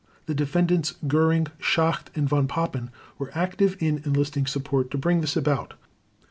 The Defendants Göring, Schacht, and Von Papen were active in enlisting support to bring this about.